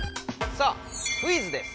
さあ「クイズ」です。